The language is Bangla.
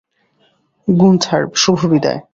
গুন্থার, শুভ বিদায়।